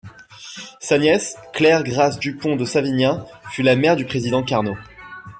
Sa nièce, Claire Grâce Dupont de Savignat, fut la mère du président Carnot.